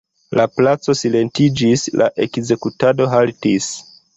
La placo silentiĝis, la ekzekutado haltis.